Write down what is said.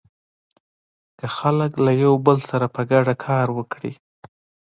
که خلک له يو بل سره په ګډه کار وکړي.